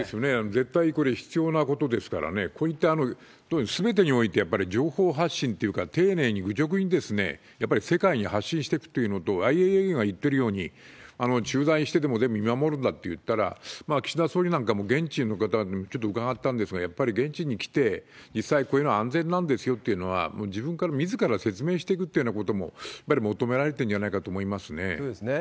絶対これ、必要なことですからね、特にすべてにおいてやっぱり情報発信というか、丁寧に愚直に、やっぱり世界に発信していくっていうのと、ＩＡＥＡが言ってるように、駐在してでも見守るんだっていったら、岸田総理なんかも、現地の方にもちょっと伺ったんですが、やっぱり現地に来て、実際、こういうの安全なんですよっていうのは、自分から、みずから説明していくということも、やっぱり求められてんじゃなそうですね。